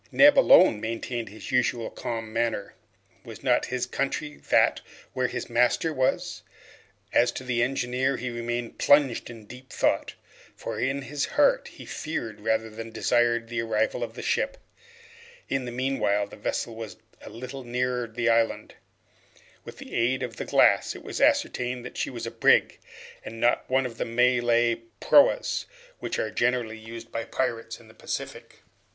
Neb alone maintained his usual calm manner. Was not his country that where his master was? As to the engineer, he remained plunged in deep thought, and in his heart feared rather than desired the arrival of the ship. In the meanwhile, the vessel was a little nearer the island. With the aid of the glass, it was ascertained that she was a brig, and not one of those Malay proas, which are generally used by the pirates of the Pacific.